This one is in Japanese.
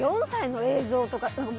４歳の映像とか。